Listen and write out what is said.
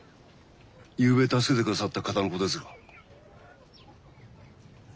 ゆうべ助けてくださった方のことですが。